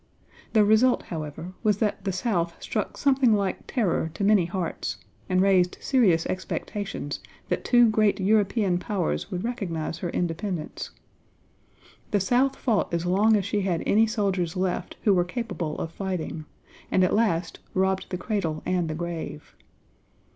The result, however, was that the South struck something like terror to many hearts, and raised serious expectations that two great European powers would recognize her independence. The South fought as long as she had any soldiers left who were capable of fighting, and at last "robbed the cradle and the grave."